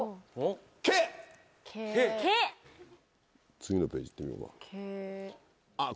次のページいってみようか。